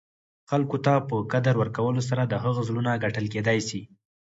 خلګو ته په قدر ورکولو سره، د هغه زړونه ګټل کېداى سي.